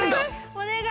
お願い！